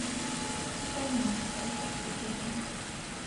朱光民朝鲜足球运动员。